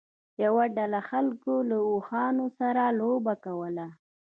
یوه ډله خلکو له اوښانو سره لوبه کوله.